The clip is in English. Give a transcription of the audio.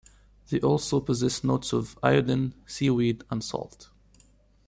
They also possess notes of iodine, seaweed and salt.